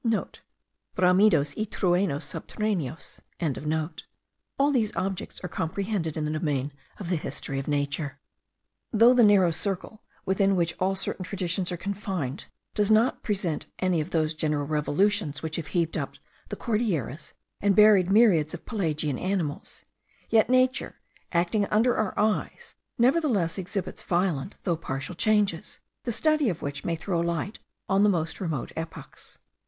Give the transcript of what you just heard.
*(* Bramidos y truenos subterraneos.) All these objects are comprehended in the domain of the history of nature. Though the narrow circle within which all certain traditions are confined, does not present any of those general revolutions which have heaved up the Cordilleras and buried myriads of pelagian animals; yet Nature, acting under our eyes, nevertheless exhibits violent though partial changes, the study of which may throw light on the most remote epochs.